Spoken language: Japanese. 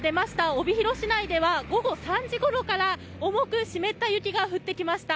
帯広市内では午後３時ごろから重く湿った雪が降ってきました。